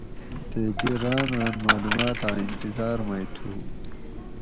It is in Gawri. تے دی ران ران معلوماۤتاۤں انتظار مئی تُھو